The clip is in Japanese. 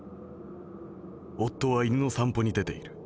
夫は犬の散歩に出ている。